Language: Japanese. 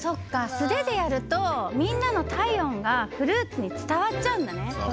素手でやるとみんなのたいおんがフルーツにつたわっちゃうんだね。